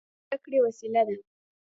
کتابچه د زده کړې وسیله ده